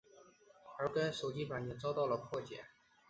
而该手机版也遭到了破解。